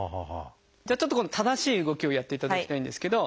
じゃあちょっと今度正しい動きをやっていただきたいんですけど。